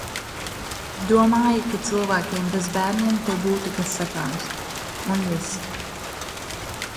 Domāju, ka cilvēkiem bez bērniem te būtu kas sakāms. Un viss.